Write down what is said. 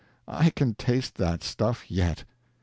I can taste that stuff yet.